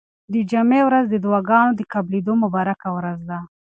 د جمعې ورځ د دعاګانو د قبلېدو مبارکه ورځ ده.